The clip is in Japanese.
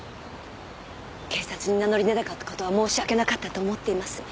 警察に名乗り出なかった事は申し訳なかったと思っています。